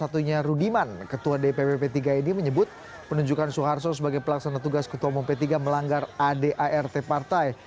satunya rudiman ketua dpw p tiga ini menyebut penunjukan soeharto sebagai pelaksana tugas ketua umum p tiga melanggar adart partai